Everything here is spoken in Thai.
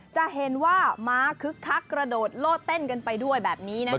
จะเห็นว่าม้าคึกคักกระโดดโลดเต้นกันไปด้วยแบบนี้นะคะ